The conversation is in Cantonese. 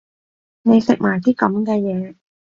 你食埋啲噉嘅嘢